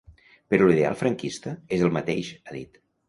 Però l’ideal franquista és el mateix, ha dit.